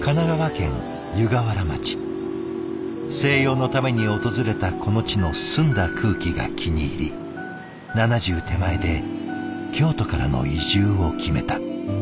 静養のために訪れたこの地の澄んだ空気が気に入り７０手前で京都からの移住を決めた。